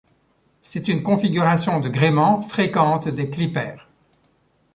C'est une configuration de gréement fréquente des clippers.